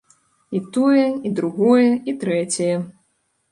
І тое, і другое, і трэцяе.